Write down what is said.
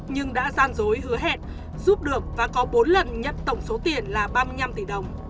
nhưng đã gian dối hứa hẹn giúp được và có bốn lần nhận tổng số tiền là ba mươi năm tỷ đồng